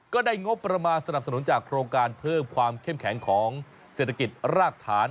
ก็ได้งบประมาณสนับสนุนจากโครงการเพิ่มความเข้มแข็งของเศรษฐกิจรากฐาน